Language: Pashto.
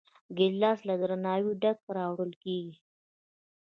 ګیلاس له درناوي ډک راوړل کېږي.